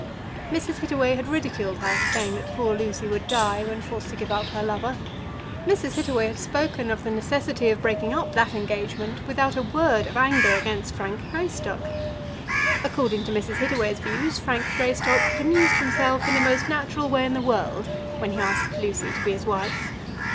Mrs. Hittaway had ridiculed her for saying that poor Lucy would die when forced to give up her lover. Mrs. Hittaway had spoken of the necessity of breaking up that engagement without a word of anger against Frank Greystock. According to Mrs. Hittaway's views Frank Greystock had amused himself in the most natural way in the world when he asked Lucy to be his wife.